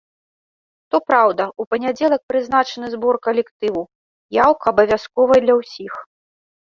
Што праўда, у панядзелак прызначаны збор калектыву, яўка абавязковая для ўсіх.